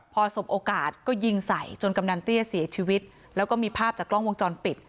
พอสมโอกาสก็ยิงใส่จนกำนันเตี้ยเสียชีวิตแล้วก็มีภาพจากกล้องวงจรปิด